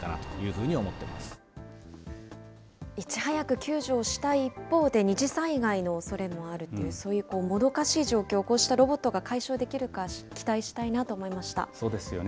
救助をしたい一方で二次災害のおそれもあるという、そういうもどかしい状況をロボットが解消できるか、そうですよね。